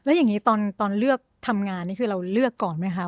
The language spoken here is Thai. แล้วอย่างนี้ตอนเลือกทำงานนี่คือเราเลือกก่อนไหมคะ